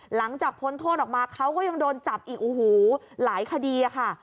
หลังจากพ้นโทษออกมาเขาก็ยังโดนจับอีกหูหลายคดีค่ะ